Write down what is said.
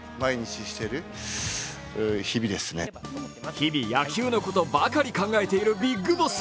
日々、野球のことばかり考えているビッグボス。